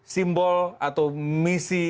simbol atau misi